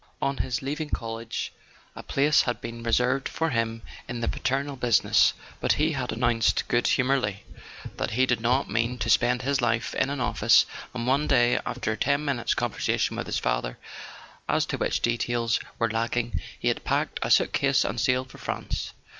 On his [ 163 ] A SON AT THE FRONT leaving college a place had been reserved for him in the paternal business; but he had announced good humouredly that he did not mean to spend his life in an office, and one day, after a ten minutes' conversa¬ tion with his father, as to which details were lacking, he had packed a suitcase and sailed for France.